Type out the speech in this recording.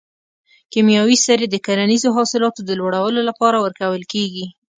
کیمیاوي سرې د کرنیزو حاصلاتو د لوړولو لپاره ورکول کیږي.